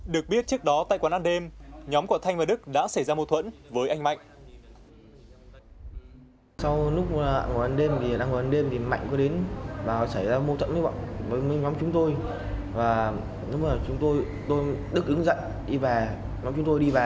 được biết trước đó tại quán ăn đêm nhóm của thanh và đức đã xảy ra mâu thuẫn với anh mạnh